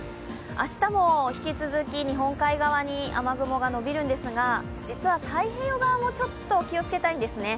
明日も引き続き日本海側に雨雲が伸びるんですが実は太平洋側も、ちょっと気をつけたいんですね。